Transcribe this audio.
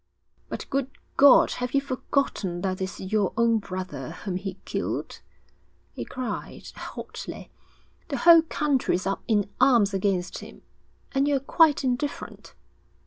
'But, good God, have you forgotten that it's your own brother whom he killed!' he cried hotly. 'The whole country is up in arms against him, and you are quite indifferent.'